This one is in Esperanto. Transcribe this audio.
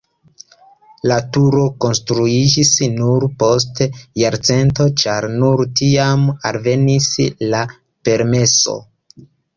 La turo konstruiĝis nur post jarcento, ĉar nur tiam alvenis la permeso.